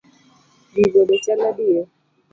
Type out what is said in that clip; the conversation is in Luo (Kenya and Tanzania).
Gigo be chal adier?